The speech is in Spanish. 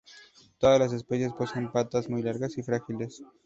Todas las especies poseen patas muy largas y frágiles.